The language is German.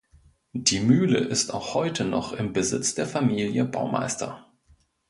Die Mühle ist auch heute noch im Besitz der Familie Baumeister.